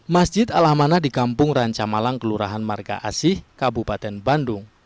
masjid alhamana di kampung ranca malang kelurahan marga asih kabupaten bandung